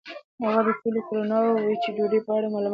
هغه د سولې، کرونا او وچې ډوډۍ په اړه هم لږ معلومات لري.